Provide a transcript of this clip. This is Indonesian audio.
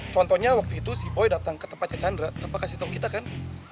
contohnya waktu itu si boy datang ke tempatnya chandra tanpa kasih tau kita kan